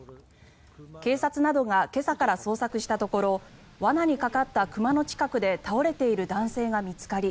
警察などが今朝から捜索したところ罠にかかった熊の近くで倒れている男性が見つかり